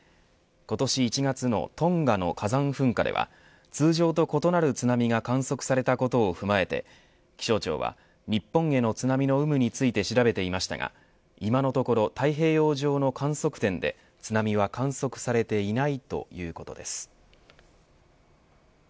今年１月のトンガの火山噴火では通常と異なる津波が観測されたことを踏まえて気象庁は日本への津波の有無について調べていましたが今のところ太平洋上の観測点で津波は観測されていないということです。